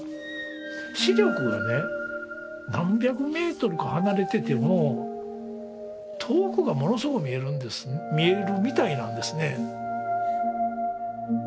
視力がね何百メートルか離れてても遠くがものすごく見えるみたいなんですね。